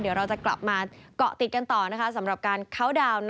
เดี๋ยวเราจะกลับมาเกาะติดกันต่อสำหรับการเคาน์ดาวน์